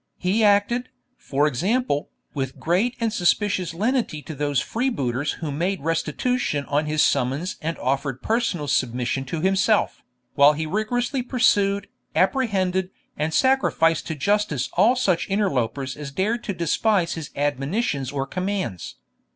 He acted, for example, with great and suspicious lenity to those freebooters who made restitution on his summons and offered personal submission to himself, while he rigorously pursued, apprehended, and sacrificed to justice all such interlopers as dared to despise his admonitions or commands.